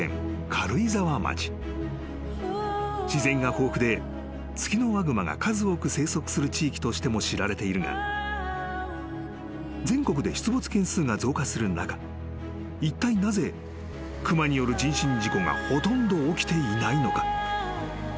［自然が豊富でツキノワグマが数多く生息する地域としても知られているが全国で出没件数が増加する中いったいなぜ熊による人身事故がほとんど起きていないのか？］